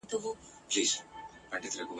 تنورونه له اسمانه را اوریږي ..